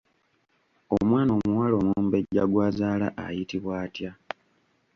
Omwana omuwala omumbejja gw’azaala ayitibwa atya?